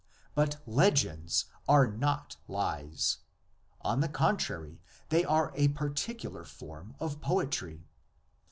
But legends are not lies; on the contrary, they are a particular form of poetry.